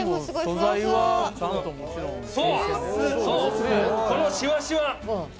そう！